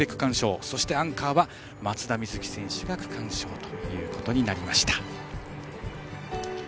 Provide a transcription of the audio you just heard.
そしてアンカーは松田瑞生選手が区間賞ということになりました。